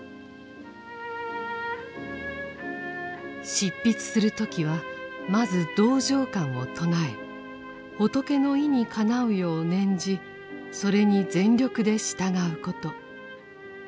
執筆する時はまず「道場観」を唱え仏の意にかなうよう念じそれに全力で従うこと。